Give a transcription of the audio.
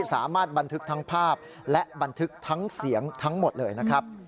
สามารถบันทึกทั้งภาพและบันทึกทั้งเสียงทั้งหมดเลยนะครับ